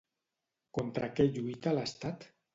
Contra què lluita l'Estat?